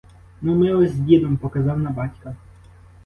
Ну, ми ось з дідом, — показав на батька.